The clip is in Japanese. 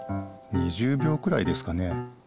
２０びょうくらいですかね？